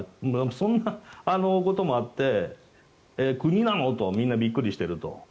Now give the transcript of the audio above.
そんなこともあって国なの？とみんなびっくりしていると。